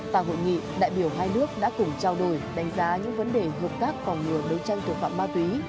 tại hội nghị đại biểu hai nước đã cùng trao đổi đánh giá những vấn đề hợp tác phòng ngừa đấu tranh thủ phạm ma túy